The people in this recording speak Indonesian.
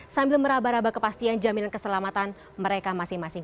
sambil merabah rabah kepastian jaminan keselamatan mereka masing masing